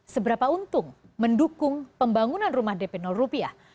seberapa untung mendukung pembangunan rumah dp rupiah